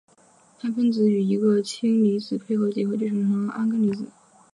氨分子与一个氢离子配位结合就形成铵根离子。